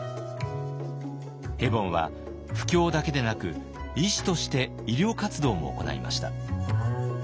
ヘボンは布教だけでなく医師として医療活動も行いました。